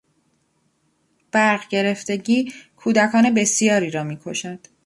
برق گرفتگی کودکان بسیاری را میکشد.